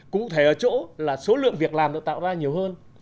cụ thể ở chỗ là số lượng việc làm được tạo ra nhiều hơn